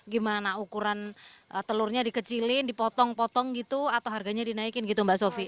gimana ukuran telurnya dikecilin dipotong potong gitu atau harganya dinaikin gitu mbak sofi